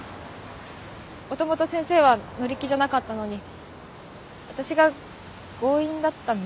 もともと先生は乗り気じゃなかったのに私が強引だったんですよね。